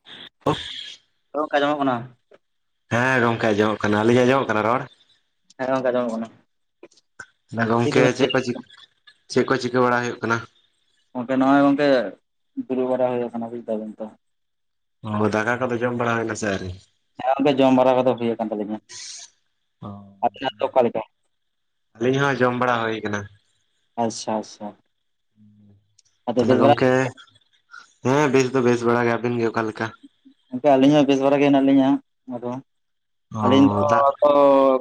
[unintelligible] [unintelligible] ᱡᱚᱢᱚᱜ ᱠᱟᱱᱟ᱾ ᱦᱮᱸ ᱜᱚᱝᱠᱮ ᱟᱸᱡᱚᱢᱚᱜ ᱠᱟᱱᱟ᱾ ᱟᱞᱤᱧ ᱟᱸᱡᱚᱢᱚᱜ ᱠᱟᱱᱟ ᱨᱚᱲ [unintelligible] ᱠᱟᱱᱟ᱾ ᱜᱚᱝᱠᱮ ᱠᱚᱵᱮᱱ ᱪᱮᱫ ᱪᱤᱠᱟᱹᱭ ᱠᱚ ᱪᱤ ᱪᱟᱜ ᱠᱚ ᱪᱤᱠᱟᱹ ᱵᱟᱲᱟ ᱦᱩᱭᱩᱜ ᱠᱟᱱᱟ? ᱜᱚᱝᱠᱮ ᱱᱚᱜᱚᱭ ᱜᱚᱝᱠᱮ ᱫᱩᱨᱩᱩ ᱵᱟᱨᱟ ᱦᱩᱭ ᱠᱟᱱᱟ ᱵᱩᱡ ᱫᱟᱵᱤᱱ ᱛᱚ᱾ ᱦᱳᱸᱫᱚᱠᱟ ᱠᱟᱫᱚ ᱡᱚᱢ ᱵᱟᱲᱟᱣ ᱥᱟᱨᱤ [unintelligible] ᱡᱚᱢ ᱵᱟᱲᱟ ᱠᱚᱫᱚ ᱦᱩᱭ ᱟᱠᱟᱱ ᱛᱟᱞᱤᱧᱟ ᱾ ᱚ ᱟᱹᱞᱤᱧ ᱦᱚᱸ ᱡᱚᱢ ᱵᱟᱲᱟ ᱦᱩᱭ ᱠᱟᱱᱟ ᱾ ᱟᱪᱪᱷᱟ ᱟᱪᱪᱷᱟ᱾ ᱟᱫᱚ ᱛᱟᱦᱚᱞᱮ ᱵᱮᱥ ᱵᱟᱲᱟ ᱜᱮ? ᱜᱚᱝᱠᱮ ᱦᱮᱸ ᱵᱮᱥ ᱫᱚ ᱵᱮᱥ ᱵᱟᱲᱟ ᱜᱮ ᱟᱵᱤᱱ ᱜᱮ ᱚᱠᱟ ᱞᱮᱠᱟ? ᱟᱹᱞᱤᱧ ᱦᱚᱸ ᱵᱮᱥ ᱵᱟᱲᱟ ᱜᱮ ᱦᱮᱱᱟᱜ ᱞᱤᱧᱟᱹ ᱟᱫᱚ ᱟᱹᱞᱤᱧ ᱚ ᱫᱚ ᱫᱟᱜ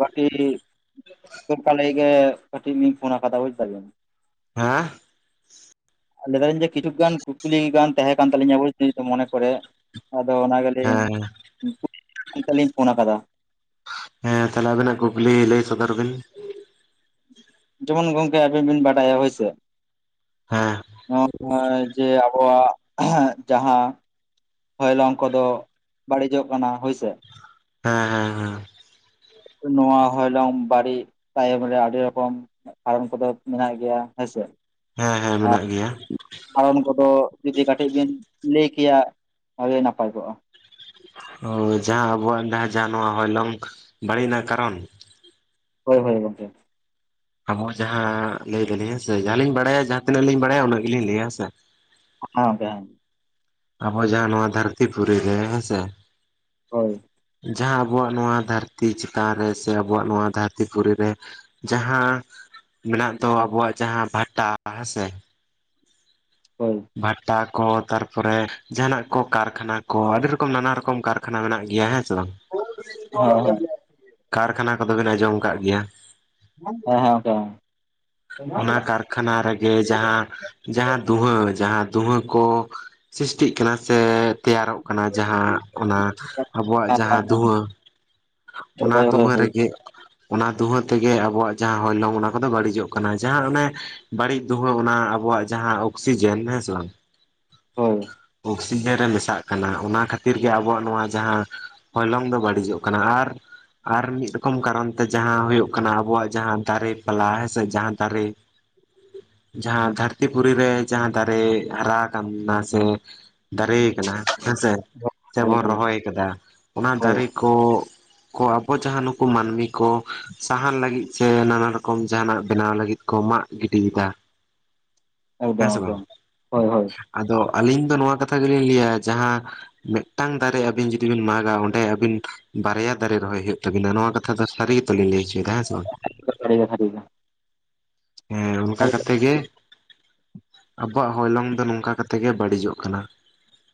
ᱠᱟᱹᱴᱤᱡ [unintelligible] ᱜᱮ ᱠᱟᱹᱴᱤᱡ ᱤᱧ ᱯᱷᱳᱱ ᱟᱠᱟᱫᱟ ᱵᱩᱡ ᱫᱟ ᱵᱤᱱ ᱦᱮᱸ᱾ ᱞᱟᱹᱭ ᱫᱟᱞᱤᱧ ᱡᱮ ᱠᱤᱪᱷᱩ ᱜᱟᱱ ᱠᱩᱠᱞᱤ ᱜᱟᱱ ᱛᱟᱦᱮᱸ ᱠᱟᱱ, ᱛᱟᱹᱞᱤᱧᱟ [unintelligible] ᱢᱚᱱᱮ ᱠᱚᱨᱮ ᱟᱫᱚ ᱦᱮᱸ [unintelligible] ᱞᱤᱧ ᱯᱷᱳᱱ ᱠᱟᱫᱟ᱾ ᱦᱮᱸ ᱛᱟᱦᱚᱞᱮ ᱟᱵᱤᱱᱟᱜ ᱠᱩᱠᱞᱤ ᱞᱟᱹᱭ ᱥᱚᱫᱚᱨ ᱵᱤᱱ? ᱡᱮᱢᱚᱱ ᱜᱚᱝᱠᱮ ᱟᱵᱤᱱ ᱵᱤᱱ ᱵᱟᱰᱟᱭᱟ ᱦᱳᱭᱥᱮ᱾ ᱦᱮᱸ ᱱᱚᱣᱟ ᱡᱮ ᱟᱵᱚᱣᱟᱜ ᱡᱟᱦᱟᱸ ᱦᱚᱭᱞᱚᱝ ᱠᱚᱫᱚ ᱵᱟᱹᱲᱤᱡᱚᱜ ᱠᱟᱱᱟ ᱦᱳᱭᱥᱮ᱾ ᱦᱮᱸ ᱦᱮᱸ ᱦᱮᱸ᱾ ᱱᱚᱣᱟ ᱦᱚᱭᱞᱚᱝ ᱵᱟᱲᱤᱡ ᱛᱟᱭᱚᱢ ᱨᱮ ᱟᱹᱰᱤ ᱨᱚᱠᱚᱢ [unintelligible] ᱠᱚᱫᱚ ᱢᱮᱱᱟᱜ ᱜᱮᱭᱟ ᱦᱮᱸᱥᱮ ᱦᱮᱸ ᱦᱮᱸ ᱟᱨ ᱢᱮᱱᱟᱜ ᱜᱮᱭᱟ᱾ ᱠᱟᱨᱚᱱ ᱠᱚᱫᱚ ᱡᱩᱫᱤ ᱠᱟᱹᱴᱤᱡ ᱵᱤᱱ ᱞᱟᱹᱭ ᱠᱮᱭᱟ ᱛᱮ ᱱᱟᱯᱟᱭ ᱠᱚᱜᱼᱟ᱾ ᱳᱸ ᱡᱟᱦᱟᱸ ᱟᱵᱚᱣᱟᱜ ᱡᱟᱦᱟᱸ ᱡᱟᱦᱟᱸ ᱱᱚᱣᱟ ᱦᱚᱭᱞᱚᱝ ᱵᱟᱹᱲᱤᱡ ᱨᱮᱱᱟᱜ ᱠᱟᱨᱚᱱ᱾ ᱦᱳᱭ ᱦᱳᱭ ᱦᱳᱭ ᱜᱚᱝᱠᱮ ᱾ ᱟᱵᱚ ᱡᱟᱦᱟᱸ ᱞᱟᱹᱭ ᱫᱟᱞᱤᱧ ᱦᱮᱸ ᱥᱮ, ᱡᱟᱦᱟᱸᱞᱤᱧ ᱵᱟᱲᱟᱭᱟ ᱡᱟᱦᱟᱸ ᱛᱤᱱᱟᱹᱜ ᱞᱤᱧ ᱵᱟᱲᱟᱭᱟ ᱩᱱᱟᱹᱜ ᱜᱮᱞᱤᱧ ᱞᱟᱹᱭᱟ ᱦᱮᱸ ᱥᱮ ᱦᱮᱸ ᱜᱚᱝᱠᱮ ᱦᱮᱸ ᱟᱵᱚ ᱡᱟᱦᱟᱸ ᱱᱚᱣᱟ ᱫᱷᱟᱹᱨᱛᱤ ᱯᱩᱨᱩᱨᱤ ᱨᱮ ᱦᱮᱸ ᱥᱮ ᱦᱳᱭ᱾ ᱡᱟᱦᱟᱸ ᱟᱵᱚᱣᱟᱜ ᱱᱚᱣᱟ ᱫᱷᱟᱹᱨᱛᱤ ᱪᱮᱛᱟᱱ ᱨᱮ ᱥᱮ ᱟᱵᱚᱣᱟᱜ ᱱᱚᱣᱟ ᱫᱷᱟᱹᱨᱛᱤ ᱯᱩᱨᱤ ᱨᱮ᱾ ᱡᱟᱦᱟᱸ ᱢᱮᱱᱟᱜ ᱫᱚ, ᱟᱵᱚᱣᱟᱜ ᱡᱟᱦᱟᱸ ᱵᱷᱟᱴᱟ ᱦᱮᱸᱥᱮ ᱦᱳᱭ᱾ ᱵᱷᱟᱴᱟ ᱠᱚ ᱛᱟᱨᱯᱚᱨᱮ, ᱡᱟᱦᱱᱟᱜ ᱠᱚ ᱠᱟᱨᱠᱷᱟᱱᱟ ᱠᱚ, ᱟᱹᱰᱤ ᱨᱚᱠᱚᱢ ᱱᱟᱱᱟ ᱨᱚᱠᱚᱢ ᱠᱟᱨ ᱠᱷᱟᱱᱟ ᱢᱮᱱᱟᱜ ᱜᱮᱭᱟ ᱦᱮᱸ ᱥᱮ ᱵᱟᱝᱺ ᱦᱳᱭ ᱦᱳᱭ ᱦᱮᱸ ᱦᱮᱸ ᱠᱟᱨᱠᱷᱟᱱᱟ ᱠᱚᱫᱚᱵᱤᱱ ᱟᱸᱡᱚᱢ ᱠᱟᱜ ᱜᱮᱭᱟ᱾ ᱦᱮᱸ ᱦᱮᱸ ᱜᱚᱝᱠᱮ ᱠᱷᱟᱱᱟ ᱨᱮᱜᱮ ᱡᱟᱦᱟᱸ ᱡᱟᱦᱟᱸ ᱫᱩᱦᱟᱹ ᱡᱟᱦᱟᱸ ᱫᱩᱦᱟᱹ ᱠᱚ ᱥᱤᱥᱴᱤᱜ ᱠᱟᱱᱟ ᱥᱮ ᱛᱮᱭᱟᱨᱚᱜ ᱠᱟᱱᱟ᱾ ᱡᱟᱦᱟᱸ ᱚᱱᱟ ᱟᱵᱚᱣᱟᱜ ᱦᱮᱸ ᱡᱟᱦᱟᱸ ᱦᱮᱸ ᱫᱷᱩᱣᱟᱹ ᱚᱱᱟ ᱦᱳᱭ ᱦᱳᱭ ᱦᱳᱭ ᱫᱩᱸᱦᱟᱹ ᱦᱳᱭ ᱨᱮᱜᱮ ᱚᱱᱟ ᱫᱩᱸᱦᱟᱹ ᱛᱮᱜᱮ ᱟᱵᱚᱣᱟᱜ ᱡᱟᱦᱟᱸ ᱦᱚᱭᱞᱚᱝ ᱚᱱᱟ ᱠᱚᱫᱚ ᱵᱟᱹᱲᱤᱡᱚᱜ ᱠᱟᱱᱟ ᱡᱟᱦᱟᱸ ᱚᱱᱮ ᱵᱟᱹᱲᱤᱡ ᱫᱩᱦᱟᱹ ᱚᱱᱟ ᱟᱵᱚᱣᱟᱜ ᱡᱟᱦᱟᱸ ᱚᱠᱥᱤᱡᱮᱱ ᱦᱮᱸ ᱥᱮ ᱵᱟᱝ ᱦᱳᱭ ᱪᱤᱱᱦᱟᱹᱨ ᱨᱮ ᱢᱮᱥᱟᱜ ᱠᱟᱱᱟ ᱚᱱᱟ ᱠᱷᱟᱹᱛᱤᱨ ᱜᱮ ᱟᱵᱚᱣᱟᱜ ᱱᱚᱣᱟ ᱡᱟᱦᱟᱸ ᱦᱚᱭᱞᱚᱝ ᱫᱚ ᱵᱟᱹᱲᱤᱡᱚᱜ ᱠᱟᱱᱟ, ᱟᱨ ᱟᱨ ᱢᱤᱫ ᱨᱚᱠᱚᱢ ᱠᱟᱨᱚᱱ ᱛᱮ ᱡᱟᱸᱦᱟ ᱦᱩᱭᱩᱜ ᱠᱟᱱᱟ ᱟᱵᱚᱣᱟᱜ ᱡᱟᱦᱟᱸ ᱫᱟᱨᱮ ᱯᱟᱞᱟ ᱦᱮᱸᱥᱮ ᱡᱟᱦᱟᱸ ᱫᱟᱨᱮ [unintelligible] ᱡᱟᱦᱟᱸ ᱫᱷᱟᱹᱨᱛᱤ ᱯᱩᱨᱤ ᱨᱮ ᱡᱟᱦᱟᱸ ᱫᱟᱨᱮ ᱦᱟᱨᱟ ᱟᱠᱟᱱᱟ ᱥᱮ ᱫᱟᱨᱮ ᱠᱟᱱᱟ ᱦᱮᱸᱥᱮ ᱥᱮᱵᱚᱱ ᱦᱳᱭ ᱨᱚᱦᱚᱭ ᱠᱟᱫᱟ ᱚᱱᱟ ᱦᱳᱭ ᱫᱟᱨᱮ ᱠᱚ ᱠᱚ ᱟᱵᱚ ᱡᱟᱦᱟᱸ ᱱᱩᱠᱩ ᱢᱟᱹᱱᱢᱤ ᱠᱚ ᱥᱟᱦᱟᱱ ᱞᱟᱹᱜᱤᱫ ᱥᱮ ᱱᱟᱱᱟ ᱨᱚᱠᱚᱢ ᱡᱟᱦᱟᱱᱟᱜ ᱵᱮᱱᱟᱣ ᱞᱟᱹᱜᱤᱫ ᱠᱚ ᱢᱟᱜ ᱜᱤᱰᱤᱭᱮᱫᱟ᱾ [unintelligible] ᱦᱮᱸ ᱥᱮ ᱵᱟᱝ ᱮᱠᱫᱚᱢ ᱦᱳᱭ ᱦᱳᱭ ᱟᱫᱚ ᱟᱹᱞᱤᱧ ᱫᱚ ᱱᱚᱣᱟ ᱠᱟᱛᱷᱟ ᱜᱮᱞᱤᱧ ᱞᱟᱹᱭᱟ ᱡᱟᱦᱟᱸ ᱢᱤᱫᱴᱟᱝ ᱫᱟᱨᱮ ᱟᱵᱤᱱ ᱡᱩᱫᱤ ᱵᱤᱱ ᱢᱟᱜᱟ ᱚᱸᱰᱮ ᱟᱵᱤᱱ ᱵᱟᱨᱭᱟ ᱫᱟᱨᱮ ᱨᱚᱦᱚᱭ ᱦᱩᱭᱩᱜ ᱛᱟᱵᱤᱱᱟ ᱱᱚᱣᱟ ᱠᱟᱛᱷᱟ ᱫᱚ ᱥᱟᱹᱨᱤ ᱜᱮᱛᱚᱞᱤᱧ ᱞᱟᱹᱭ ᱦᱚᱪᱚᱭᱮᱫᱟ ᱦᱮᱸ ᱥᱮ ᱵᱟᱝ? ᱥᱟᱹᱨᱤ ᱜᱮ ᱥᱟᱹᱨᱤ ᱜᱮ ᱾ ᱦᱮᱸ ᱚᱱᱠᱟ ᱠᱟᱛᱮ ᱜᱮ ᱟᱵᱚᱣᱟᱜ ᱦᱚᱭᱞᱚᱝ ᱫᱚ ᱱᱚᱝᱠᱟ ᱠᱟᱛᱮ ᱜᱮ ᱵᱟᱹᱲᱤᱡᱚᱜ ᱠᱟᱱᱟ᱾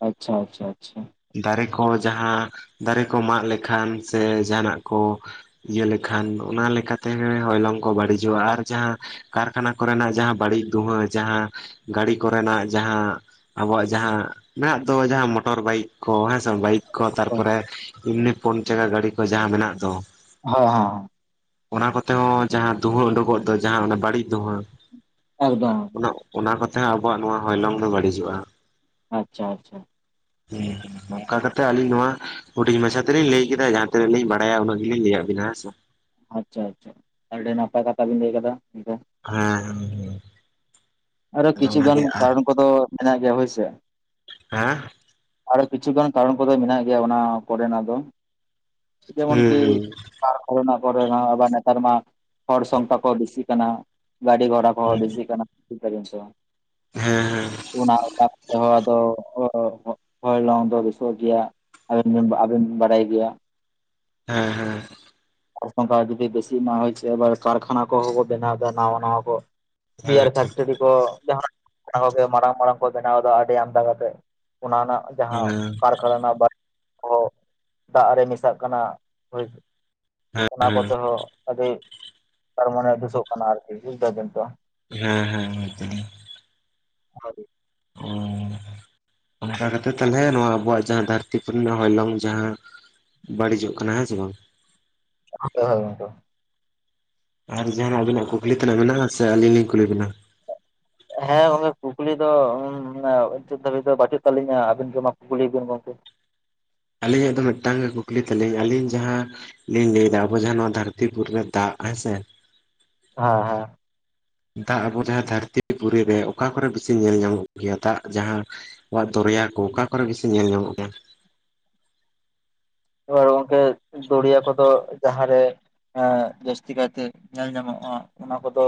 ᱟᱪᱪᱷᱟ ᱟᱪᱪᱷᱟ ᱟᱪᱪᱷᱟ᱾ ᱫᱟᱨᱮ ᱠᱚ ᱡᱟᱦᱟᱸ ᱫᱟᱨᱮ ᱠᱚ ᱢᱟᱜ ᱞᱮᱠᱷᱟᱱ ᱥᱮ ᱡᱟᱦᱟᱱᱟᱜ ᱠᱚ ᱤᱭᱟᱹ ᱞᱮᱠᱷᱟᱱ ᱚᱱᱟ ᱞᱮᱠᱟᱛᱮ ᱦᱚᱭᱞᱚᱝ ᱠᱚ ᱵᱟᱹᱲᱤᱡᱚᱜ-ᱟ, ᱟᱨ ᱡᱟᱦᱟᱸ ᱠᱟᱨᱠᱷᱟᱱᱟ ᱠᱚᱨᱮᱱᱟᱜ ᱡᱟᱦᱟᱸ ᱵᱟᱹᱲᱤᱡ ᱫᱷᱩᱦᱟᱹ ᱡᱟᱦᱟᱸ ᱜᱟᱹᱲᱤ ᱠᱚᱨᱮᱱᱟᱜ ᱡᱟᱦᱟᱸ ᱟᱵᱚᱣᱟᱜ ᱡᱟᱦᱟᱸ ᱢᱮᱱᱟᱜ ᱫᱚ ᱡᱟᱦᱟᱸ ᱢᱚᱴᱚᱨ ᱵᱟᱭᱤᱠ ᱠᱚ ᱦᱮᱸ ᱵᱟᱭᱤᱠ ᱠᱚ ᱦᱮᱸ ᱛᱟᱨᱯᱚᱨᱮ ᱮᱢᱱᱤ ᱯᱩᱱ ᱪᱟᱠᱟ ᱜᱟᱹᱰᱤ ᱠᱚ ᱡᱟᱦᱟᱸ ᱢᱮᱱᱟᱜ ᱫᱚ [inaudible] ᱚᱱᱟ ᱠᱚᱛᱮ ᱦᱚᱸ ᱡᱟᱦᱟᱸ ᱫᱩᱸᱦᱟᱹ ᱩᱰᱩᱠᱚᱜ ᱫᱚ ᱡᱟᱦᱟᱸ ᱚᱱᱟ ᱵᱟᱹᱲᱤᱡ ᱫᱩᱸᱦᱟᱹ ᱮᱠᱫᱚᱢ ᱾ ᱚᱱᱟ ᱚᱱᱟ ᱠᱚᱛᱮ ᱦᱚᱸ ᱟᱵᱚᱣᱟᱜ ᱱᱚᱣᱟ ᱦᱚᱞᱚᱝ ᱫᱚ ᱵᱟᱹᱲᱤᱡᱚᱜ-ᱟ᱾ ᱟᱪᱪᱷᱟ ᱟᱪᱪᱷᱟ ᱾ ᱦᱮ ᱚᱱᱠᱟ ᱠᱟᱛᱮᱜ ᱟᱹᱞᱤᱧ ᱱᱚᱣᱟ ᱦᱩᱧ ᱢᱟᱪᱷᱟ ᱛᱮᱞᱤᱧ ᱞᱟᱹᱭ ᱠᱮᱫᱟ ᱡᱟᱦᱟᱸ ᱛᱤᱱᱟᱹ ᱞᱤᱧ ᱵᱟᱲᱟᱭᱟ ᱩᱱᱟᱹᱜ ᱜᱮᱞᱤᱧ ᱞᱟᱹᱭᱟᱵᱤᱱᱟ ᱦᱮᱸᱥᱮ ᱾ ᱟᱪᱪᱷᱟ ᱟᱪᱪᱷᱟ ᱟᱹᱰᱤ ᱱᱟᱯᱟᱭ ᱠᱟᱛᱷᱟ ᱵᱮᱤᱱ ᱞᱟᱹᱭ ᱠᱟᱫᱟ ᱜᱚᱝᱠᱮ ᱾ ᱦᱮᱸ ᱦᱩᱸ ᱦᱩᱸ [unintelligible] ᱟᱨᱦᱚ ᱠᱤᱪᱷᱩ ᱜᱟᱱ ᱠᱟᱨᱚᱱ ᱠᱚᱫᱚ ᱢᱮᱱᱟᱜ ᱜᱮᱭᱟ ᱦᱳᱭᱥᱮ᱾ ᱦᱮᱸ ᱾ ᱟᱨᱚ ᱠᱤᱪᱷᱩᱩᱜᱟᱱ ᱠᱟᱨᱚᱱ ᱠᱚᱫᱚ ᱢᱮᱱᱟᱜ ᱜᱮᱭᱟ ᱚᱱᱟ ᱠᱚᱨᱮᱱᱟᱜ ᱫᱚ ᱡᱮᱢᱚᱱ ᱠᱤ ᱦᱩᱸ ᱛᱟᱯ ᱠᱚᱨᱮ ᱦᱚᱸ ᱟᱵᱟᱨ ᱱᱮᱛᱟᱨ ᱢᱟ ᱦᱚᱲ ᱥᱚᱝᱠᱷᱟ ᱠᱚ ᱵᱤᱥᱤ ᱠᱟᱱᱟ ᱜᱟᱹᱰᱤ ᱜᱷᱚᱲᱟ [unintelligible] ᱚ ᱦᱩᱸ ᱵᱮᱥᱤ ᱠᱟᱱᱟ ᱵᱩᱡ ᱫᱟᱵᱤᱱ ᱥᱮ ᱵᱟᱝ? ᱦᱮᱸ ᱦᱮᱸ ᱾ ᱚᱱᱟ ᱚᱱᱟ ᱛᱮᱦᱚᱸ ᱟᱫᱚ ᱦᱚᱞᱚᱝ ᱫᱚ ᱵᱮᱥᱚᱜ ᱜᱮᱭᱟ᱾ ᱟᱹᱵᱤᱱ ᱵᱤᱱ ᱟᱹᱵᱤᱱ ᱵᱤᱱ ᱵᱟᱲᱟᱭ ᱜᱮᱭᱟ ᱾ ᱦᱮᱸ ᱦᱮᱸ᱾ ᱮᱠᱷᱚᱱ ᱫᱚ ᱟᱨ ᱡᱩᱫᱤ ᱵᱮᱥᱤ ᱱᱟᱣᱟ ᱟᱵᱟᱨ ᱠᱟᱨᱠᱷᱟᱱᱟ ᱠᱚ ᱦᱚᱸ ᱠᱚ ᱵᱮᱱᱟᱣ ᱫᱟ ᱱᱟᱣᱟ ᱱᱟᱣᱟ ᱠᱚ ᱦᱮᱸ ᱵᱤᱭᱟᱨ ᱠᱟᱨ ᱠᱚ ᱡᱟᱦᱟᱸ ᱚᱱᱟ ᱠᱚᱜᱮ ᱢᱟᱨᱟᱝ ᱢᱟᱨᱟᱝ ᱠᱚ ᱵᱮᱱᱟᱣ ᱫᱟ ᱟᱹᱰᱤ ᱟᱢᱫᱟ ᱠᱟᱛᱮᱜ ᱚᱱᱟ ᱨᱮᱱᱟᱜ ᱦᱮᱸ ᱡᱟᱦᱟᱸ ᱠᱟᱨᱠᱷᱟᱱᱟ ᱵᱟ [unintelligible] ᱠᱚ ᱫᱟᱜ ᱨᱮ ᱢᱮᱥᱟᱜ ᱠᱟᱱᱟ ᱚᱱᱟ ᱠᱚᱛᱮ ᱦᱚᱸ ᱟᱹᱰᱤ ᱛᱟᱨᱢᱟᱱᱮ ᱫᱩᱥᱚᱜ ᱠᱟᱱᱟ ᱟᱨᱠᱤ ᱵᱩᱡᱷ ᱫᱟᱹᱵᱤᱱ ᱛᱚ? ᱦᱮᱸ ᱦᱮᱸ ᱦᱮᱸ ᱦᱮᱸ᱾ [unintelligible] [inaudible] ᱚᱱᱠᱟ ᱠᱟᱛᱮᱜ ᱛᱟᱞᱦᱮ ᱱᱚᱣᱟ ᱟᱵᱚᱣᱟᱜ ᱡᱟᱦᱟᱸ ᱫᱷᱟᱹᱨᱛᱤ ᱠᱚ ᱨᱮᱱᱟᱜ ᱦᱚᱭᱞᱚᱝ ᱡᱟᱦᱟᱸ ᱵᱟᱹᱲᱤᱡᱚᱜ ᱠᱟᱱᱟ ᱦᱮᱸ ᱥᱮ ᱵᱟᱝ? [unintelligible] ᱟᱨ ᱡᱟᱦᱟᱸᱱᱟᱜ ᱟᱹᱵᱤᱱᱟᱜ ᱠᱩᱠᱞᱤ ᱛᱮᱱᱟᱜ ᱢᱮᱱᱟᱜ-ᱟ ᱥᱮ ᱟᱹᱞᱤᱧ ᱞᱤᱧ ᱠᱩᱞᱤ ᱵᱤᱱᱟ? ᱦᱮᱸ ᱜᱚᱝᱠᱮ ᱠᱩᱠᱞᱤ ᱫᱚ [unintelligible] ᱫᱷᱟᱹᱵᱤᱡ ᱫᱚ ᱵᱟᱹᱪᱩᱜ ᱛᱟᱹᱞᱤᱧᱟ ᱟᱹᱵᱤᱱ ᱜᱮ ᱢᱟ ᱠᱩᱠᱞᱤ ᱵᱤᱱ ᱜᱚᱝᱠᱮ᱾ ᱟᱹᱞᱤᱧᱟᱜ ᱫᱚ ᱢᱤᱫᱴᱟᱝ ᱠᱩᱠᱞᱤ ᱛᱟᱹᱞᱤᱧ ᱟᱹᱞᱤᱧ ᱡᱟᱦᱟᱸ ᱞᱤᱧ ᱞᱟᱹᱭ ᱫᱟ ᱟᱵᱚ ᱡᱟᱦᱟᱸ ᱱᱚᱣᱟ ᱫᱷᱟᱹᱨᱛᱤ ᱯᱩᱨᱤ ᱨᱮ ᱫᱟᱜ ᱦᱮᱸᱥᱮ ᱦᱮᱸ ᱦᱮᱸ ᱫᱟᱜ ᱟᱵᱚ ᱡᱟᱦᱟᱸ ᱫᱷᱟᱹᱨᱛᱤ ᱯᱩᱨᱤ ᱨᱮ ᱚᱠᱟ ᱠᱚᱨᱮ ᱵᱤᱥᱤ ᱧᱮᱞ ᱧᱟᱢᱚᱜ ᱜᱮᱭᱟ ᱫᱟᱜ ᱡᱟᱦᱟᱸ [unintelligible] ᱫᱚᱨᱭᱟ ᱠᱚ ᱚᱠᱟ ᱠᱚᱨᱮ ᱵᱤᱥᱤ ᱧᱮᱞ ᱧᱟᱢᱚᱜ ᱜᱮᱭᱟ? ᱮᱵᱟᱨ ᱜᱚᱝᱠᱮ ᱫᱚᱨᱭᱟ ᱠᱚᱫᱚ ᱡᱟᱦᱟᱸ ᱨᱮ ᱡᱟᱹᱥᱛᱤ ᱠᱟᱭᱛᱮ ᱧᱮᱞ ᱧᱟᱢᱚᱜ-ᱟ ᱚᱱᱟ ᱠᱚᱫᱚ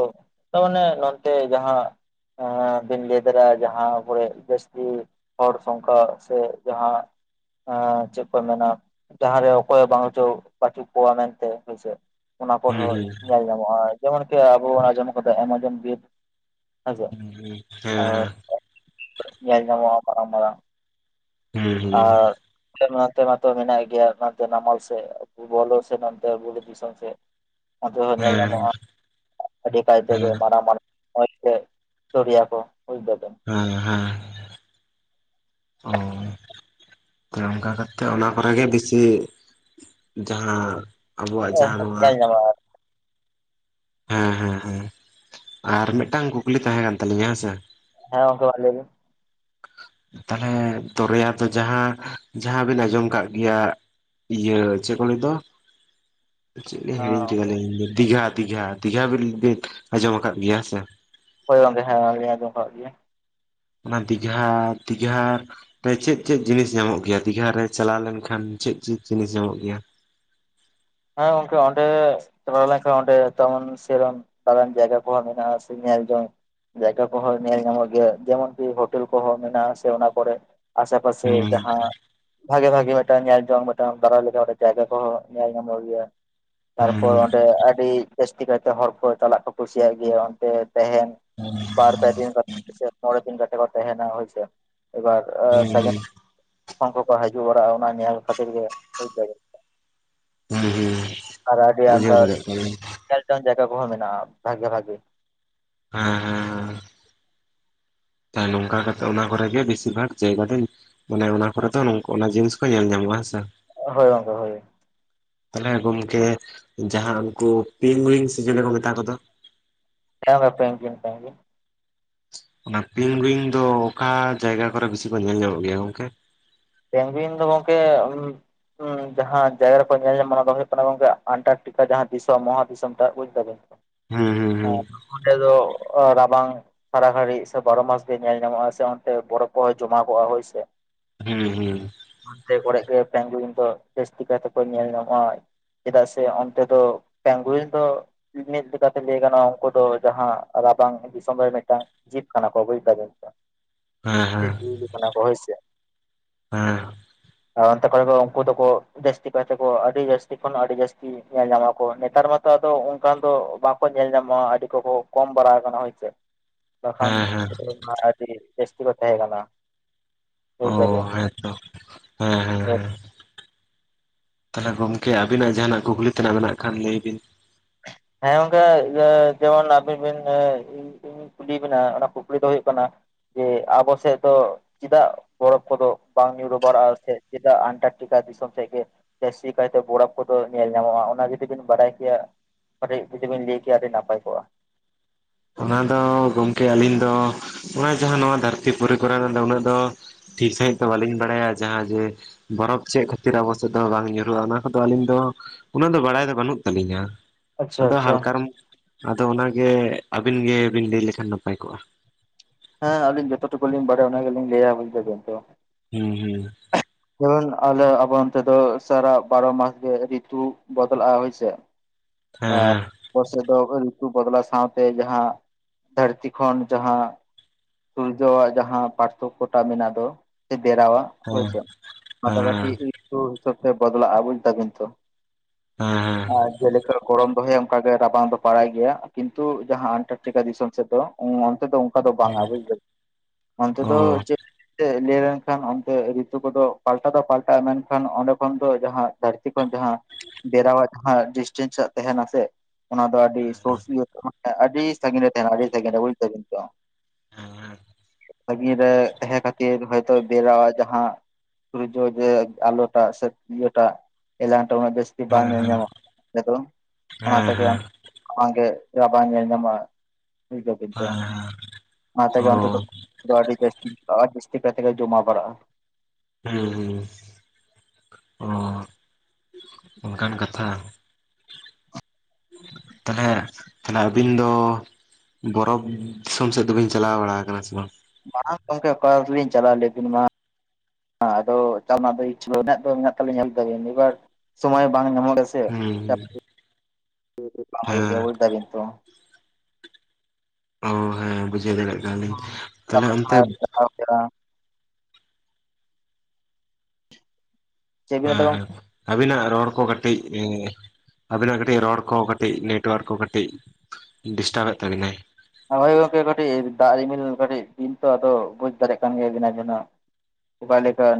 ᱛᱟᱢᱟᱱᱮ ᱱᱚᱱᱛᱮ ᱡᱟᱦᱟᱸ ᱮᱸ ᱵᱤᱱ ᱞᱟᱹᱭ ᱫᱟᱲᱮᱜ-ᱟ ᱡᱟᱦᱟᱸ ᱠᱚᱨᱮ ᱡᱟᱹᱥᱛᱤ ᱦᱚᱲ ᱥᱚᱝᱠᱷᱟ ᱥᱮ ᱡᱟᱦᱟᱸ ᱮᱸ ᱪᱮᱫ ᱠᱚ ᱢᱮᱱᱟ ᱡᱟᱦᱟᱸᱨᱮ ᱚᱠᱚᱭ ᱵᱟᱝᱪᱚ ᱯᱟᱪᱩ ᱠᱚᱣᱟ ᱢᱮᱱᱛᱮ ᱦᱳᱭ ᱥᱮ ᱚᱱᱟ ᱠᱚᱨᱮ ᱦᱚᱸ ᱦᱩᱸ ᱧᱮᱞ ᱧᱟᱢᱚᱜ-ᱟ ᱡᱮᱢᱚᱱᱠᱤ ᱟᱵᱚ ᱟᱸᱡᱚᱢ ᱠᱟᱫᱟ ᱮᱢᱟᱡᱚᱱ ᱵᱤᱨ ᱦᱮᱸᱥᱮ ᱦᱮᱸ ᱟᱨ ᱦᱮᱸ ᱧᱮᱞ ᱧᱟᱢᱚᱜᱟ ᱢᱟᱨᱟᱝ ᱢᱟᱨᱟᱝ᱾ ᱦᱮᱸ ᱦᱩᱸ ᱟᱨ [unintelligible] ᱢᱟᱛᱚ ᱢᱮᱱᱟᱜ ᱜᱮᱭᱟ [unintelligible] ᱱᱟᱢᱟᱞ ᱥᱮᱜ [unintelligible] ᱵᱩᱨᱩ ᱫᱤᱥᱚᱢ ᱥᱮ᱾ ᱚᱱᱛᱮ ᱦᱚᱸ ᱧᱮᱞ ᱦᱮᱸ ᱧᱟᱢᱚᱜ-ᱟ᱾ ᱟᱹᱰᱤ ᱠᱟᱭ ᱛᱮᱜᱮ ᱦᱮᱸ ᱢᱟᱨᱟᱝ ᱢᱟᱨᱟᱝ [unintelligible] ᱫᱚᱨᱭᱟ ᱠᱚ ᱵᱩᱡ ᱫᱟᱵᱤᱱ᱾ ᱦᱮᱸ ᱦᱮᱸ ᱚ ᱦᱮᱸ ᱚᱝᱠᱟ ᱠᱟᱛᱮ ᱚᱱᱟ ᱠᱚᱨᱮ ᱜᱮ ᱵᱤᱥᱤ ᱡᱟᱦᱟᱸ ᱟᱵᱚᱣᱟᱜ ᱡᱟᱦᱟᱸ ᱱᱚᱣᱟ ᱧᱮᱞ ᱧᱟᱢᱚᱜᱼᱟ ᱦᱮᱸ ᱦᱮᱸ ᱦᱮᱸ ᱟᱨ ᱢᱤᱫᱴᱟᱝ ᱠᱩᱠᱞᱤ ᱛᱟᱦᱮᱸ ᱠᱟᱱ ᱛᱟᱹᱞᱤᱧᱟ ᱦᱮᱸ ᱥᱮ ᱦᱮᱸ ᱜᱚᱝᱠᱮ ᱢᱟ ᱞᱮ ᱵᱤᱱ᱾ ᱛᱟᱞᱦᱮ ᱫᱚᱨᱭᱟ ᱫᱚ ᱡᱟᱦᱟᱸ ᱡᱟᱦᱟᱸ ᱵᱤᱱ ᱟᱸᱡᱚᱢ ᱠᱟᱜ ᱜᱮᱭᱟ ᱤᱭᱟᱹ ᱪᱮᱫ ᱠᱚ ᱞᱟᱹᱭ ᱫᱚ [inaudible] ᱪᱮᱫ ᱞᱤᱧ ᱦᱤᱲᱤᱧ ᱠᱮᱫᱟᱞᱤᱧ ᱫᱤᱜᱷᱟ ᱫᱤᱜᱷᱟ ᱫᱤᱜᱷᱟ ᱵᱤᱱ ᱟᱸᱡᱚᱢ ᱟᱠᱟᱫ ᱜᱮᱭᱟ ᱦᱮᱸᱥᱮ? ᱦᱳᱭ ᱜᱚᱝᱠᱮ ᱦᱮᱸ ᱜᱚᱝᱠᱮ ᱟᱸᱡᱚᱢ ᱠᱟᱜ ᱜᱮᱭᱟ᱾ ᱚᱱᱟ ᱫᱤᱜᱷᱟ ᱫᱤᱜᱷᱟᱨ ᱪᱮᱫ ᱪᱮᱫ ᱡᱤᱱᱤᱥ ᱧᱟᱢᱚᱜ ᱜᱮᱭᱟ ᱫᱤᱜᱷᱟ ᱨᱮ ᱪᱟᱞᱟᱣ ᱞᱮᱱᱠᱷᱟᱱ, ᱪᱮᱫ ᱪᱮᱫ ᱡᱤᱱᱤᱥ ᱧᱟᱢᱚᱜ ᱜᱮᱭᱟ? ᱦᱮᱸ ᱜᱚᱝᱠᱮ ᱚᱸᱰᱮ ᱪᱟᱞᱟᱣ ᱞᱮᱱᱠᱷᱟᱱ ᱚᱸᱰᱮ ᱛᱟᱢᱟᱱ ᱥᱤᱨᱚᱱ ᱫᱟᱨᱟᱱ ᱡᱟᱭᱜᱟ ᱠᱚᱦᱚᱸ ᱢᱮᱱᱟᱜᱟ ᱥᱮ ᱧᱮᱞ ᱡᱚᱝ ᱡᱟᱭᱜᱟ ᱠᱚᱦᱚᱸ ᱧᱮᱞ ᱧᱟᱢᱚᱜ ᱜᱮᱭᱟ ᱡᱮᱢᱚᱱᱠᱤ ᱦᱳᱴᱮᱞ ᱠᱚᱦᱚᱸ ᱢᱮᱱᱟᱜ-ᱟ ᱥᱮ ᱚᱱᱟ ᱠᱚᱨᱮ ᱟᱥᱮ ᱯᱟᱥᱮ ᱦᱩᱸ ᱡᱟᱦᱟᱸ ᱵᱷᱟᱜᱮ ᱵᱷᱟᱜᱮ ᱢᱮᱫᱴᱟᱝ ᱧᱮᱞ ᱡᱚᱝ ᱢᱮᱫᱴᱟᱝ ᱫᱟᱨᱟᱭ ᱞᱮᱠᱟ ᱡᱟᱭᱜᱟ ᱠᱚᱦᱚᱸ ᱧᱮᱞ ᱧᱟᱢᱚᱜ ᱜᱮᱭᱟ᱾ ᱛᱟᱨᱯᱚᱨ ᱦᱩᱸ ᱚᱸᱰᱮ ᱟᱹᱰᱤ ᱡᱟᱹᱥᱛᱤ ᱠᱟᱭᱛᱮ ᱦᱚᱲ ᱠᱚ ᱪᱟᱞᱟᱜ ᱠᱚ ᱠᱩᱥᱤᱭᱟᱜ ᱜᱮᱭᱟ ᱚᱱᱰᱮ ᱛᱮᱦᱮᱱ᱾ ᱵᱟᱨ ᱯᱮ ᱫᱤᱱ ᱠᱟᱛᱮ ᱥᱮ ᱢᱚᱬᱮ ᱫᱤᱱ ᱠᱟᱛᱮ ᱠᱚ ᱛᱟᱦᱮᱱᱟ ᱦᱳᱭᱥᱮ, ᱮᱵᱟᱨ ᱦᱩᱸ [unintelligible] ᱦᱟᱡᱩᱜ ᱵᱟᱲᱟᱜ-ᱟ ᱚᱱᱟ ᱧᱮᱞ ᱠᱷᱟᱹᱛᱤᱨ ᱜᱮ ᱵᱩᱪᱫᱟᱵᱤᱱ ᱦᱩᱸ ᱦᱩᱸ ᱟᱨ ᱟᱹᱰᱤ ᱵᱩᱡᱷᱟᱹᱣ ᱟᱢᱫᱟ ᱫᱟᱲᱮᱭᱟᱜ ᱠᱟᱹᱱᱟᱹᱧ ᱧᱮᱞ ᱡᱚᱧ ᱡᱟᱭᱜᱟ ᱠᱚᱦᱚᱸ ᱢᱮᱱᱟᱜᱼᱟ᱾ ᱵᱷᱟᱜᱮ ᱵᱷᱟᱜᱮ᱾ ᱦᱮᱸ ᱦᱮᱸ᱾ ᱦᱮᱸ ᱱᱚᱝᱠᱟ ᱠᱟᱛᱮ ᱚᱱᱟ ᱠᱚᱨᱮ ᱜᱮ ᱵᱮᱥᱤᱨ ᱵᱷᱟᱜ ᱡᱟᱭᱜᱟ ᱫᱚ ᱢᱟᱱᱮ ᱚᱱᱟ ᱠᱚᱨᱮ ᱫᱚ ᱚᱱᱟ ᱡᱤᱱᱤᱥ ᱠᱚ ᱧᱮᱞ ᱧᱟᱢᱚᱜᱼᱟ ᱦᱮᱸᱥᱮ᱾ ᱦᱳᱭ ᱜᱚᱝᱠᱮ ᱦᱳᱭ᱾ ᱛᱟᱦᱚᱞᱮ ᱜᱚᱢᱠᱮ ᱡᱟᱦᱟᱸ ᱩᱱᱠᱩ ᱯᱤᱝ ᱜᱩᱤᱝ ᱥᱮ ᱪᱮᱞᱮ ᱠᱚ ᱢᱮᱛᱟ ᱠᱚᱫᱚᱼᱼ ᱡᱟᱦᱟᱸ ᱜᱟᱯᱮ ᱜᱮ ᱢᱮᱯ ᱜᱮ [inaudible] ᱚᱱᱟ ᱯᱤᱝᱜᱩᱭᱤᱝ ᱫᱚ ᱚᱠᱟ ᱡᱟᱭᱜᱟ ᱠᱚᱨᱮ ᱵᱤᱥᱤ ᱠᱚ ᱧᱮᱞ ᱧᱟᱢᱚᱜ ᱜᱮᱭᱟ ᱜᱚᱝᱠᱮ? ᱯᱮᱝᱜᱩᱭᱤᱝ ᱫᱚ ᱜᱚᱢᱠᱮ ᱦᱩᱸ ᱡᱟᱦᱟᱸ ᱡᱟᱭᱜᱟ ᱨᱮᱠᱚ ᱧᱮᱞ ᱧᱟᱢ ᱚᱱᱟ ᱫᱚ ᱦᱩᱭᱩᱜ ᱠᱟᱱᱟ ᱜᱚᱝᱠᱮ ᱟᱱᱴᱟᱨᱴᱤᱠᱟ ᱡᱟᱦᱟᱸ ᱫᱤᱥᱚᱢ ᱢᱚᱦᱟ ᱫᱤᱥᱚᱢ ᱴᱟᱜ ᱵᱩᱡ ᱫᱟ ᱦᱩᱸ ᱟᱨ ᱦᱩᱸ ᱚᱸᱰᱮ ᱫᱚ ᱨᱟᱵᱟᱝᱼᱼ ᱥᱟᱨᱟ ᱜᱷᱟᱹᱲᱤᱡ ᱥᱮ ᱵᱟᱨᱚ ᱢᱟᱥ ᱜᱮ ᱧᱮᱞ ᱧᱟᱢᱚᱜᱼᱟ ᱥᱮ ᱚᱱᱰᱮ ᱵᱚᱨᱚᱯᱷ ᱠᱚᱦᱚᱸ ᱡᱚᱢᱟ ᱠᱚᱜᱼᱟ ᱦᱳᱭᱥᱮ᱾ ᱦᱩᱸ ᱦᱩᱸ, ᱦᱟᱱᱛᱮ ᱠᱚᱨᱮᱜ ᱜᱮ ᱯᱮᱝᱜᱩᱭᱤᱝ ᱫᱚ ᱡᱟᱹᱥᱛᱤ ᱠᱟᱭ ᱠᱟᱛᱮ ᱠᱚ ᱧᱮᱞ ᱧᱟᱢᱚᱜᱼᱟ᱾ ᱪᱮᱫᱟᱜ ᱥᱮ ᱚᱱᱛᱮ ᱫᱚ ᱯᱮᱝᱜᱩᱭᱤᱝ ᱫᱚᱼᱼ ᱢᱤᱫ ᱞᱮᱠᱟᱛᱮ ᱞᱟᱹᱭ ᱜᱟᱱᱚᱜᱼᱟ ᱩᱱᱠᱩ ᱫᱚ ᱡᱟᱦᱟᱸ ᱨᱟᱵᱟᱝ ᱫᱤᱥᱚᱢ ᱨᱮ ᱢᱤᱫᱴᱟᱝ ᱡᱤᱵ ᱠᱟᱱᱟ ᱠᱚ ᱵᱩᱪᱫᱟᱵᱮᱱ ᱛᱚ ᱦᱮᱸ ᱦᱮᱸ ᱥᱮ ᱡᱤᱭᱟᱹᱞᱤ ᱠᱟᱱᱟ ᱠᱚ ᱦᱳᱭ ᱥᱮ᱾ ᱦᱮᱸ, ᱟᱨ ᱚᱱᱛᱮ ᱠᱚᱨᱮ ᱫᱚ ᱩᱱᱠᱩ ᱫᱚᱠᱚ ᱡᱟᱹᱥᱛᱤ ᱠᱟᱭᱛᱮᱠᱚ ᱟᱹᱰᱤ ᱡᱟᱹᱥᱛᱤ ᱠᱷᱚᱱ ᱟᱹᱰᱤ ᱡᱟᱹᱥᱛᱤ ᱧᱮᱞ ᱧᱟᱢᱟ ᱠᱚ ᱱᱮᱛᱟᱨ ᱢᱟᱛᱚ ᱟᱫᱚ ᱚᱱᱠᱟᱱ ᱫᱚ ᱵᱟᱠᱚ ᱧᱮᱞ ᱧᱟᱢᱚᱜᱼᱟ ᱟᱹᱰᱤ ᱠᱚᱠᱚ ᱠᱚᱢ ᱵᱟᱲᱟ ᱟᱠᱟᱱᱟ ᱦᱳᱭᱥᱮ᱾ ᱵᱟᱠᱷᱟᱱ ᱦᱮᱸ ᱦᱮᱸ ᱟᱹᱰᱤ ᱡᱟᱹᱥᱛᱤ ᱠᱚ ᱛᱟᱦᱮᱸ ᱠᱟᱱᱟ ᱵᱩᱡ ᱚ ᱫᱟᱵᱤᱱ᱾ ᱦᱮᱸᱛᱚ ᱦᱮᱸ ᱦᱮᱸ ᱦ [inaudible] ᱦᱮᱸ ᱛᱟᱦᱚᱞᱮ ᱜᱚᱢᱠᱮ ᱟᱵᱤᱱᱟᱜ ᱡᱟᱦᱟᱱᱟᱜ ᱠᱩᱠᱞᱤ ᱛᱮᱱᱟᱜ ᱢᱮᱱᱟᱜ ᱠᱷᱟᱱ ᱞᱟᱹᱭ ᱵᱤᱱ? ᱦᱮᱸ ᱜᱚᱝᱠᱮ, ᱡᱮᱢᱚᱱ ᱟᱵᱤᱱ ᱵᱤᱱ ᱤᱧ ᱠᱩᱞᱤ ᱵᱤᱱᱟ ᱚᱱᱟ ᱠᱩᱠᱞᱤ ᱫᱚ ᱦᱩᱭᱩᱜ ᱠᱟᱱᱟ ᱡᱮ ᱟᱵᱚ ᱥᱮᱫ ᱫᱚ ᱪᱮᱫᱟᱜ ᱵᱚᱨᱚᱯᱷ ᱠᱚᱫᱚ ᱵᱟᱝ ᱧᱩᱨᱩ ᱵᱟᱲᱟᱜ-ᱟ ᱥᱮ ᱪᱮᱫᱟᱜ ᱟᱱᱴᱟᱨᱠᱴᱤᱠᱟ ᱫᱤᱥᱚᱢ ᱥᱮᱫ ᱜᱮ ᱡᱟᱹᱥᱛᱤ ᱠᱟᱭᱛᱮ ᱵᱚᱨᱚᱯᱷ ᱠᱚᱫᱚ ᱧᱮᱞ ᱧᱟᱢᱚᱜᱼᱟ᱾ ᱚᱱᱟ ᱡᱩᱫᱤᱵᱤᱱ ᱵᱟᱰᱟᱭ ᱠᱮᱭᱟ ᱠᱟᱹᱴᱤᱡ ᱡᱩᱫᱤ ᱵᱤᱱ ᱞᱟᱹᱭ ᱠᱮᱭᱟ ᱟᱹᱰᱤ ᱱᱟᱯᱟᱭ ᱠᱚᱜᱼᱟ? ᱚᱱᱟ ᱫᱚ ᱜᱚᱢᱠᱮ ᱟᱹᱞᱤᱧ ᱫᱚ ᱚᱱᱟ ᱡᱟᱦᱟᱸ ᱱᱚᱣᱟ ᱫᱷᱟᱹᱨᱛᱤ-ᱯᱩᱨᱤ ᱠᱚᱨᱮ ᱱᱟᱜ ᱫᱚ ᱩᱱᱟᱹᱜ ᱫᱚ ᱴᱷᱤᱠ ᱥᱟᱺᱦᱤᱡ ᱛᱚ ᱵᱟᱹᱞᱤᱧ ᱵᱟᱲᱟᱭᱟ ᱡᱟᱦᱟᱸ ᱡᱮ ᱵᱚᱨᱚᱯᱷ ᱪᱮᱫ ᱠᱷᱟᱹᱛᱤᱨ ᱟᱵᱚ ᱥᱮᱫ ᱫᱚ ᱵᱟᱝ ᱧᱩᱨᱦᱩᱜᱼᱟ ᱚᱱᱟ ᱠᱚᱫᱚ ᱟᱹᱞᱤᱧ ᱫᱚ ᱩᱱᱟᱹᱜ ᱫᱚ ᱵᱟᱲᱟᱭ ᱫᱚ ᱵᱟᱹᱱᱩᱜ ᱛᱟᱹᱞᱤᱧᱟ᱾ ᱟᱪᱪᱷᱟ ᱟᱫᱚ ᱟᱪᱪᱷᱟ ᱦᱟᱞᱠᱟ ᱨᱚᱢ ᱟᱫᱚ ᱚᱱᱟᱜᱮ ᱟᱹᱵᱤᱱ ᱜᱮᱵᱤᱱ ᱞᱟᱹᱭ ᱞᱮᱠᱷᱟᱱ ᱱᱟᱯᱟᱭ ᱠᱚᱜᱼᱟ᱾ ᱦᱮᱸ ᱟᱹᱞᱤᱧ ᱡᱚᱛᱚ ᱴᱩᱠᱩ ᱞᱤᱧ ᱵᱟᱲᱟᱭᱟ ᱚᱱᱟ ᱜᱮᱞᱤᱧ ᱞᱟᱹᱭᱟ ᱵᱩᱡ ᱫᱟᱵᱤᱱ ᱛᱚ᱾ ᱦᱩᱸ ᱦᱩᱸ᱾ ᱡᱮᱢᱚᱱ ᱟᱞᱮ ᱟᱵᱚ ᱚᱱᱛᱮ ᱫᱚ ᱥᱟᱨᱟ ᱵᱟᱨᱚ ᱢᱟᱥ ᱜᱮ ᱨᱤᱛᱩ ᱵᱚᱫᱚᱞᱟᱜ ᱦᱩᱭ ᱥᱮ, ᱟ ᱦᱮᱸ ᱦᱮᱸ [inaudible] ᱟᱵᱳ ᱥᱮᱫ ᱫᱚ ᱨᱤᱛᱩ ᱵᱚᱫᱞᱟ ᱥᱟᱶᱛᱮ ᱡᱟᱦᱟᱸ ᱫᱷᱟᱹᱨᱛᱤ ᱠᱷᱚᱱ ᱡᱟᱦᱟᱸ ᱥᱩᱨᱡᱚᱜ ᱟᱜ ᱡᱟᱦᱟᱸ ᱯᱟᱨᱛᱷᱚᱠᱚ ᱴᱟᱜ ᱢᱮᱱᱟᱜ ᱫᱚ ᱥᱮ ᱰᱮᱨᱟᱣᱟ ᱦᱳᱭ ᱦᱮᱸ ᱪᱮ, ᱚᱱᱟ ᱫᱚ ᱦᱮᱸ ᱦᱮᱸ ᱠᱟᱹᱴᱤᱡ ᱨᱤᱛᱩ ᱦᱤᱥᱟᱹᱵᱽ ᱛᱮ ᱵᱚᱫᱞᱟᱜ-ᱟ ᱵᱩᱪᱫᱟᱵᱤᱱ ᱛᱚ᱾ ᱦᱮ᱾ ᱟᱨ ᱡᱮᱞᱮᱠᱟ ᱜᱚᱲᱚᱢ ᱫᱚᱦᱚᱭᱟ ᱚᱱᱠᱟ ᱜᱮ ᱨᱟᱵᱟᱝ ᱫᱚ ᱯᱟᱲᱟᱭ ᱜᱮᱭᱟ, ᱠᱤᱱᱛᱩ ᱡᱟᱦᱟᱸ ᱟᱱᱴᱟᱨᱴᱤᱠᱟ ᱫᱤᱥᱚᱢ ᱥᱮᱫ ᱫᱚ ᱚᱸ ᱚᱛᱮᱫᱚ ᱚᱠᱟ ᱫᱚ ᱵᱟᱝᱟ, ᱦᱮᱸ ᱵᱩᱪᱫᱟᱵᱤᱱ ᱚᱱᱛᱮ ᱚ ᱫᱚ ᱪᱮᱫ ᱞᱟᱹᱭ ᱞᱮᱱᱠᱷᱟᱱ ᱨᱤ ᱟᱹᱛᱩ ᱠᱚᱫᱚ ᱯᱟᱞᱴᱟ ᱫᱚ ᱯᱟᱞᱴᱟᱜᱼᱟ ᱢᱮᱱᱠᱷᱟᱱ ᱚᱸᱰᱮ ᱠᱷᱚᱱ ᱫᱚ ᱡᱟᱦᱟᱸ ᱫᱷᱟᱹᱨᱛᱤ ᱠᱷᱚᱱ ᱡᱟᱦᱟᱸ ᱵᱮᱨᱟᱣᱟ ᱦ ᱰᱤᱥᱴᱮᱱᱥᱟᱜ ᱛᱟᱦᱮᱱᱟ ᱥᱮ ᱚᱱᱟ ᱫᱚ ᱟᱹᱰᱤ ᱦᱮᱸ ᱥᱚᱨᱳᱥ ᱤᱭᱟ ᱟᱹᱰᱤ ᱥᱺᱤᱧ ᱛᱟᱦᱮᱱᱟ ᱟᱹᱰᱤ ᱥᱟᱹᱜᱤᱧ ᱨᱮ ᱛᱟᱦᱮᱱᱟ᱾ᱵᱩᱪᱫᱟᱵᱤᱱ ᱛᱚ᱾ ᱦᱮᱸ ᱵᱷᱟᱹᱜᱤ ᱨᱮ ᱛᱟᱦᱮᱸ ᱠᱷᱟᱹᱛᱤᱨ ᱦᱳᱭᱛᱳ ᱵᱮᱨᱟ ᱟᱜ ᱡᱟᱦᱟᱸ᱾ ᱡᱮ ᱟᱞᱳᱴᱟ ᱥᱮ ᱤᱭᱟᱹᱴᱟ ᱮᱞᱟᱝᱴᱟ ᱩᱱᱟᱹᱜ ᱡᱟᱹᱥ ᱵᱟᱝ ᱦᱮᱸ ᱧᱮ ᱦᱮᱸ ᱧᱟᱢᱚᱜ-ᱟ ᱚᱱᱟ ᱫᱚ ᱚᱱᱟ ᱦᱮᱸ ᱛᱮᱜᱮ ᱦᱮᱸ ᱟᱜᱮ ᱵᱟᱝ ᱧᱮᱞ ᱧᱟᱢᱚᱜ-ᱟ᱾ ᱵᱩᱫᱷᱚ ᱫᱟᱵᱤᱱ ᱛᱚ ᱦᱮᱸ ᱦᱮᱸ ᱚᱱᱟ ᱛᱮᱜᱮ ᱚ ᱚᱱᱛᱮ ᱫᱚ᱾ ᱫᱚ ᱟᱹᱰᱤ ᱡᱟᱹᱥᱛᱤ ᱟᱨ ᱡᱟᱹᱥᱛᱤ ᱠᱟᱭᱛᱮ ᱜᱮ ᱡᱚᱢᱟ ᱵᱟᱲᱟᱜ-ᱟ᱾ ᱦᱩᱸ ᱦᱩᱸ ᱚ ᱚᱱᱠᱟᱱ ᱠᱟᱛᱷᱟ᱾ [inaudible] ᱛᱟᱞᱦᱮ ᱟᱹᱵᱤᱱ ᱫᱚ᱾ ᱵᱚᱨᱚᱯᱷ ᱫᱤᱥᱚᱢ ᱥᱮᱜ ᱫᱚ ᱵᱤᱱ ᱪᱟᱞᱟᱣ ᱵᱟᱲᱟᱣ ᱟᱠᱟᱱᱟ ᱥᱮ ᱵᱟᱝ? ᱢᱟᱨᱟᱝ ᱜᱚᱢᱠᱮ ᱚᱠᱟ ᱨᱮᱞᱤᱧ ᱪᱟᱞᱟ ᱞᱮᱹᱵᱤᱱ ᱢᱟ᱾ ᱦᱟᱸ ᱟᱫᱚ ᱪᱟᱞ ᱱᱟᱜ ᱫᱚ ᱤᱪᱷᱟᱹ ᱢᱮᱱᱟᱜ ᱫᱚ ᱢᱮᱱᱟᱜ ᱫᱚ ᱛᱟᱞᱤᱧᱟ ᱵᱩᱡ ᱫᱟᱵᱤᱱ ᱮᱵᱟᱨ ᱥᱚᱢᱚᱭ ᱵᱟᱝ ᱧᱟᱢᱚᱜ᱾ [inaudible] ᱦᱩᱸ ᱦᱮᱸ ᱵᱩᱡᱽ ᱫᱟᱵᱤᱱ ᱛᱚ ᱾ ᱦᱩᱸ ᱦᱮᱸ ᱵᱩᱡᱷᱟᱹᱣ ᱫᱟᱲᱮᱜ ᱠᱟᱱ ᱞᱤᱧ ᱛᱟᱞᱦᱮ ᱚᱱᱛᱮ᱾ ᱪᱮᱫ ᱵᱤᱱ ᱞᱟᱹᱭ ᱫᱟ ᱦᱮᱸ ᱜᱚᱝᱠᱮ ᱟᱵᱤᱱᱟᱜ ᱨᱚᱲ ᱠᱚ ᱠᱟᱹᱴᱤᱡ ᱵᱤᱱ᱾ ᱟᱵᱤᱱᱟᱜ ᱠᱟᱴᱤᱡ ᱨᱚᱲ ᱠᱚ ᱠᱟᱴᱤᱡ ᱱᱮᱴᱚᱣᱟᱨᱠ ᱠᱚ ᱠᱟᱴᱤᱡ ᱰᱤᱥᱴᱟᱵᱮᱫ ᱛᱟᱵᱤᱱᱟᱭ᱾ ᱦᱳᱭ ᱜᱚᱝᱠᱮ ᱠᱟᱹᱴᱤᱡ ᱫᱟᱜ ᱨᱤᱢᱤᱞ ᱠᱟᱹᱴᱤᱡ ᱫᱤᱱ ᱛᱚ ᱟᱫᱚ ᱵᱩᱡ ᱫᱟᱲᱮᱜ ᱠᱟᱱ ᱜᱮᱭᱟᱵᱤᱱ ᱟᱹᱵᱤᱱ ᱦᱚᱸ᱾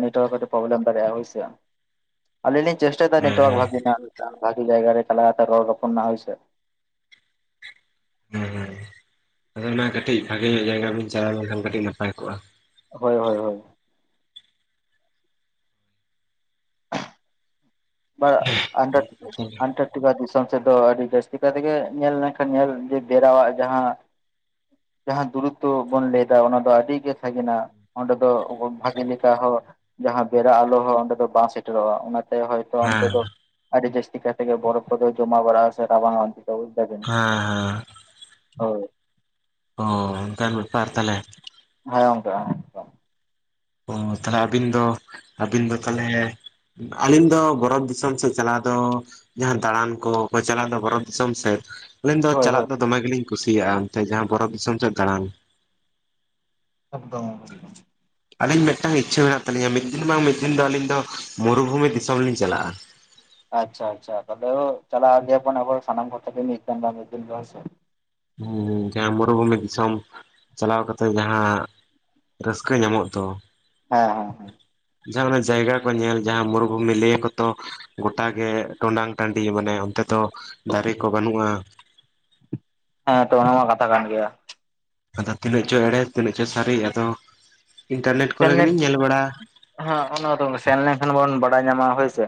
ᱱᱮᱴᱣᱟᱨᱠ ᱠᱟᱴᱤᱜ ᱯᱚᱵᱞᱮᱢ ᱫᱟᱲᱮᱜ ᱟ ᱦᱳᱭ ᱥᱮ ᱟᱞᱤᱧ ᱞᱤᱧ ᱪᱮᱥᱴᱟᱭ ᱫᱟ ᱱᱮᱴᱳᱟᱨᱠ ᱦᱮᱸ ᱵᱷᱟᱜᱤ ᱱᱟ ᱵᱷᱟᱜᱤ ᱡᱟᱭᱜᱟ ᱨᱮ ᱪᱟᱞᱟ ᱛᱮ ᱨᱚᱲ ᱨᱚᱯᱚᱲ ᱨᱮᱱᱟᱜ ᱦᱚᱭ ᱥᱮ᱾ ᱦᱩᱸ ᱦᱩᱸ ᱟᱫᱚ ᱚᱱᱟ ᱠᱟᱹᱴᱤᱡ ᱵᱷᱟᱜᱮ ᱧᱚᱜ ᱡᱟᱭᱜᱟ ᱵᱤᱱ ᱪᱟᱞᱟᱣ ᱞᱮᱱᱠᱷᱟᱱ ᱠᱟᱹᱴᱤᱡ ᱱᱟᱯᱟᱭ ᱠᱚᱜ-ᱟ᱾ ᱦᱳᱭ ᱦᱳᱭ ᱦᱳᱭ᱾ ᱦᱮᱸ [unintelligible] [inaudible] ᱫᱤᱥᱚᱢ ᱥᱮᱫ ᱫᱚ ᱟᱹᱰᱤ ᱡᱟᱹᱥᱛᱤ ᱠᱟᱭ ᱛᱮᱜᱮ ᱧᱮᱞ ᱞᱮᱱᱠᱷᱟᱱ ᱧᱮᱞ ᱡᱮ ᱵᱮᱨᱟᱣᱟᱜ ᱡᱟᱦᱟᱸ᱾ ᱡᱟᱦᱟᱸ ᱫᱩᱨᱚᱛᱚ ᱵᱚᱱ ᱞᱟᱹᱭ ᱫᱟ ᱚᱱᱟ ᱫᱚ ᱟᱹᱰᱤ ᱜᱮ ᱥᱟᱜᱤᱱᱟ᱾ ᱚᱸᱰᱮ ᱫᱚ ᱵᱷᱟᱜᱤ ᱞᱮᱠᱟ ᱦᱚᱸ ᱡᱟᱦᱟᱸ ᱵᱮᱨᱟ ᱟᱞᱚ ᱦᱚᱸ ᱚᱸᱰᱮ ᱫᱚ ᱵᱟᱝ ᱥᱮᱴᱮᱨᱚᱜ-ᱟ ᱚᱱᱟᱛᱮ ᱦᱚᱭ ᱛᱚ ᱚᱱᱛᱮ ᱦᱮᱸ ᱫᱚ ᱟᱹᱰᱤ ᱡᱟᱹᱥᱛᱤ ᱠᱟᱭ ᱛᱮᱜᱮ ᱵᱚᱨᱚᱯ ᱠᱚᱫᱚ ᱡᱚᱢᱟ ᱵᱟᱨᱟ ᱥᱮ ᱨᱟᱵᱟᱝ ᱚᱱ [inaudible] ᱦᱮᱸ ᱦᱳᱭ᱾ ᱚ ᱚᱱᱠᱟᱱ ᱵᱮᱯᱟᱨ ᱛᱟᱦᱞᱮ᱾ ᱦᱮᱸ ᱜᱚᱢᱠᱮ ᱾ ᱚ ᱛᱟᱞᱦᱮ ᱟᱹᱵᱤᱱ ᱫᱚ ᱟᱹᱵᱤᱱ ᱫᱚ ᱛᱟᱞᱦᱮ᱾ ᱟᱹᱞᱤᱧ ᱫᱚ ᱵᱚᱨᱚᱛ ᱫᱤᱥᱚᱢ ᱥᱮᱫ ᱪᱟᱞᱟᱣ ᱫᱚ᱾ ᱡᱟᱦᱟᱸ ᱫᱟᱬᱟᱱ ᱠᱚᱠᱚ ᱪᱟᱞᱟᱜ ᱫᱚ ᱵᱚᱨᱚᱯ ᱫᱤᱥᱚᱢ ᱥᱮᱫ᱾ ᱟᱹᱞᱤᱱ ᱫᱚ ᱦᱳᱭ ᱦᱳᱭ ᱪᱟᱞᱟᱜ ᱫᱚ ᱫᱚᱢᱮ ᱜᱮᱞᱤᱧ ᱠᱩᱥᱤᱭᱟᱜ-ᱟ ᱚᱱᱛᱮ ᱡᱟᱦᱟᱸ ᱵᱚᱨᱚᱛ ᱫᱤᱥᱚᱢ ᱥᱮᱫ ᱫᱟᱬᱟᱱ᱾ ᱮᱠᱚᱫᱚᱢ᱾ ᱟᱹᱞᱤᱧ ᱢᱮᱜᱴᱟᱝ ᱤᱪᱪᱷᱟᱹ ᱢᱮᱱᱟᱜ ᱛᱟᱞᱤᱧᱟ ᱢᱤᱫ ᱫᱤᱱ ᱵᱟᱝ ᱢᱤᱫ ᱫᱤᱱ ᱫᱚ ᱟᱹᱞᱤᱧ ᱫᱚ ᱢᱩᱨᱩᱵᱷᱩᱢᱤ ᱫᱤᱥᱚᱢ ᱞᱤᱧ ᱪᱟᱞᱟᱜ-ᱟ᱾ ᱟᱪᱷᱟ ᱟᱪᱷᱟ ᱛᱟᱞᱦᱮ ᱦᱳ ᱪᱟᱞᱟᱜ ᱜᱮᱭᱟ ᱟᱵᱟᱨ ᱥᱟᱱᱟᱢ ᱠᱚ ᱛᱮ ᱜᱮ ᱢᱤᱫ ᱫᱤ ᱢᱤᱫ ᱫᱤᱱ ᱵᱟᱝ ᱥᱮ᱾ ᱦᱩᱸ ᱦᱩᱸ ᱡᱟᱦᱟᱸ ᱢᱩᱨᱩᱵᱷᱩᱢᱤ ᱫᱤᱥᱚᱢ ᱪᱟᱞᱟᱣ ᱠᱟᱛᱮ ᱡᱟᱦᱟᱸ ᱨᱟᱹᱥᱠᱟᱹ ᱧᱟᱢᱚᱜ ᱫᱚ᱾ ᱦᱮᱸ ᱦᱮᱸ ᱦᱮᱸ᱾ ᱡᱟᱦᱟᱸ ᱚᱱᱮ ᱡᱟᱭᱜᱟ ᱠᱚ ᱧᱮᱞ ᱡᱟᱦᱟᱸ ᱢᱩᱨᱵᱷᱩᱢᱤ ᱞᱟᱹᱭ ᱟᱠᱚ ᱛᱚ ᱜᱚᱴᱟ ᱜᱮ ᱴᱚᱸᱰᱟᱝ ᱴᱟᱺᱰᱤ ᱢᱟᱱᱮ ᱚᱱᱛᱮ ᱫᱚ ᱫᱟᱨᱮ ᱠᱚ ᱵᱟᱹᱱᱩᱜ-ᱟ᱾ ᱦᱮᱸ ᱛᱚ ᱚᱱᱟ ᱢᱟ ᱠᱟᱛᱷᱟ ᱠᱟᱱ ᱜᱤᱭᱟ᱾ ᱟᱫᱚ ᱛᱤᱱᱟᱹᱜ ᱪᱚ ᱮᱲᱮ ᱛᱤᱱᱟᱹᱜ ᱪᱚ ᱥᱟᱨᱤ ᱟᱫᱚ ᱤᱱᱴᱟᱨᱱᱮᱴ ᱠᱚᱨᱮ ᱜᱮᱞᱤᱧ ᱧᱮᱞ ᱵᱟᱲᱟ ᱦᱚᱸᱜ-ᱚ ᱱᱚᱣᱟ ᱫᱚ ᱥᱮᱱ ᱞᱮᱱᱠᱷᱟᱱ ᱵᱚᱱ ᱵᱟᱲᱟᱭ ᱧᱟᱢᱟ ᱦᱳᱭ ᱥᱮ᱾